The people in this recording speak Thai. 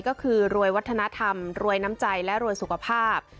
ก็คือรวยวัฒนธรรมรวยน้ำใจและรวยสุขภาพ